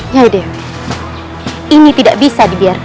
mas rata santang